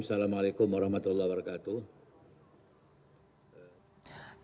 assalamu'alaikum warahmatullahi wabarakatuh